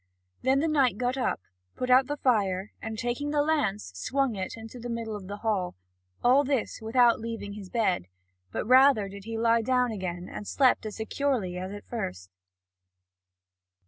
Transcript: Then the knight got up, put out the fire and, taking the lance, swung it in the middle of the hall, all this without leaving his bed; rather did he lie down again and slept as securely as at first.